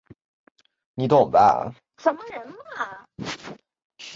毕业后到英国布里斯托大学学习文学及戏剧。